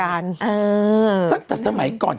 ตั้งแต่สมัยก่อน